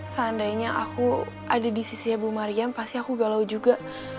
seandainya aku ada di sisinya bu mariam pasti aku galau juga